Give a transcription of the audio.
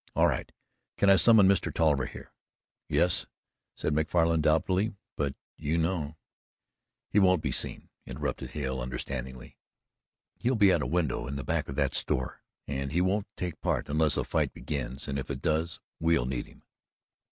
"All right. Can I summon Mr. Tolliver here?" "Yes," said Macfarlan doubtfully, "but you know " "He won't be seen," interrupted Hale, understandingly. "He'll be at a window in the back of that store and he won't take part unless a fight begins, and if it does, we'll need him."